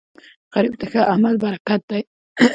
غریب ته ښه عمل برکت دی